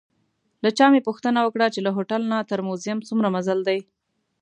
له چا مې پوښتنه وکړه چې له هوټل نه تر موزیم څومره مزل دی.